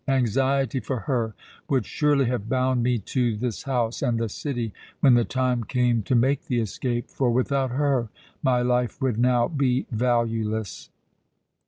Anxiety for her would surely have bound me to this house and the city when the time came to make the escape, for without her my life would now be valueless.